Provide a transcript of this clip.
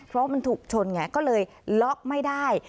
เพราะมันถูกชนไงก็เลยล็อกไม่ได้